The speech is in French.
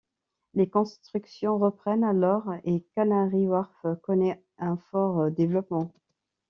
Les constructions reprennent alors et Canary Wharf connaît un fort développement.